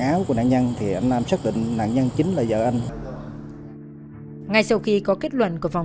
áo của nạn nhân thì anh nam xác định nạn nhân chính là vợ anh ngay sau khi có kết luận của vòng